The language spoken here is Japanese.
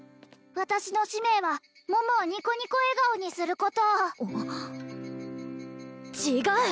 私の使命は桃をニコニコ笑顔にすること違う！